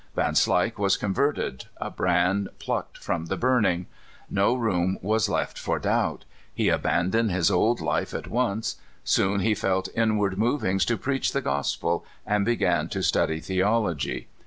Vanslyke w'as converted, a brand plucked from the burning. No room was left for doubt. He abandoned his old life at once. Soon he felt inward movings to preach the gospel, and began to study theology.